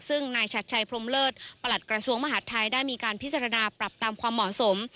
ซึ่งนายชัดชัยพรมเลิศประหลัดกระทรวงมหาดไทยได้มีการพิจารณาปรับตามความเหมาะสม